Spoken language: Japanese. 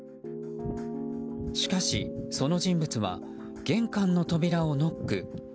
しかし、その人物は玄関の扉をノック。